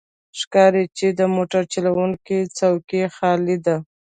ښکاري چې د موټر چلوونکی څوکۍ خالي ده.